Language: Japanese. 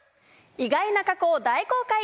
意外な過去を大公開！